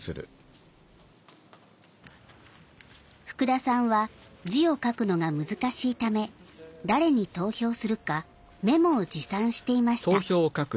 福田さんは字を書くのが難しいため誰に投票するかメモを持参していました。